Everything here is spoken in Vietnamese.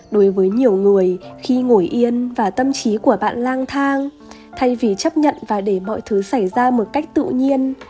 đối với nhiều người khi ngồi yên và tâm trí của bạn lang thang thay vì chấp nhận và để mọi thứ xảy ra một cách tự nhiên